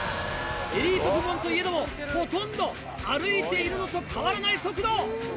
エリート部門といえども、ほとんど歩いているのと変わらない速度。